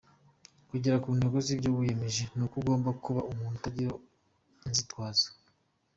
Kugera ku ntego z’ibyo wiyemeje ni uko ugomba kuba umuntu utagira inzitwazo.